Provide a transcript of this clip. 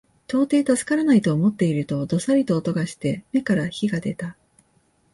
到底助からないと思っていると、どさりと音がして眼から火が出た